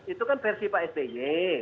itu kan versi pak sby